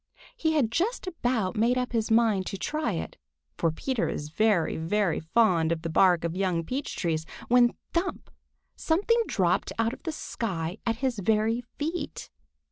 He had just about made up his mind to try it, for Peter is very, very fond of the bark of young peach trees, when thump! something dropped out of the sky at his very feet.